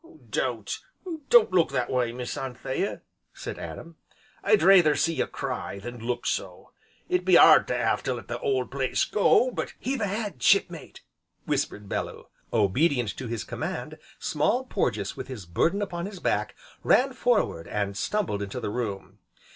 "Don't, don't look that way, Miss Anthea," said Adam. "I'd rayther see you cry, than look so. It be 'ard to 'ave to let the old place go, but " "Heave ahead, Shipmate!" whispered Bellew. Obedient to his command Small Porges, with his burden upon his back, ran forward, and stumbled into the room.